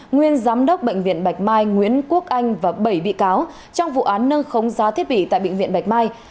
nguyên giám đốc bệnh viện bạch mai nguyễn quốc anh và bảy bị cáo trong vụ án nâng khống giá thiết bị tại bệnh viện bạch mai